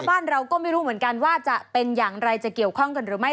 บ้านเราก็ไม่รู้เหมือนกันว่าจะเป็นอย่างไรจะเกี่ยวข้องกันหรือไม่